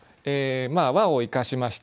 まあ「は」を生かしましてね。